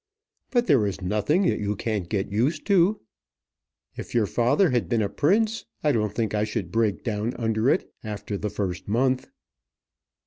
But there is nothing that you can't get used to. If your father had been a Prince I don't think I should break down under it after the first month."